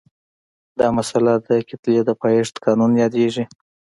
دا مسئله د کتلې د پایښت قانون یادیږي.